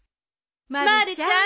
まるちゃん！